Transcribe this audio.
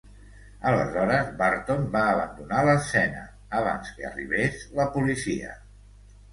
Aleshores, Barton va abandonar l'escena abans que arribés la policia.